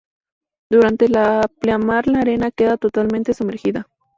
Durante la pleamar la arena queda totalmente sumergida.